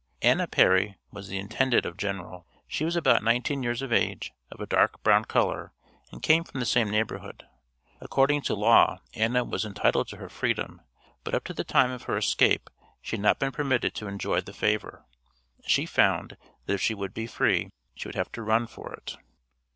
Anna Perry was the intended of General. She was about nineteen years of age, of a dark brown color, and came from the same neighborhood. According to law Anna was entitled to her freedom, but up to the time of her escape she had not been permitted to enjoy the favor. She found that if she would be free she would have to run for it.